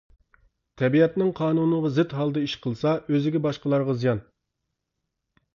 تەبىئەتنىڭ قانۇنىغا زىت ھالدا ئىش قىلسا ئۆزىگە باشقىلارغا زىيان.